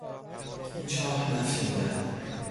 این چاه نفت میدهد.